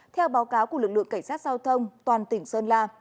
theo báo cáo của lực lượng cảnh sát giao thông toàn tỉnh sơn la